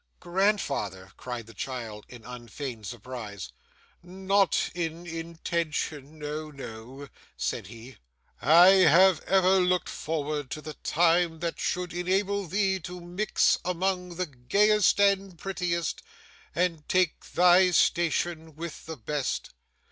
'Grandfather!' cried the child in unfeigned surprise. 'Not in intention no no,' said he. 'I have ever looked forward to the time that should enable thee to mix among the gayest and prettiest, and take thy station with the best.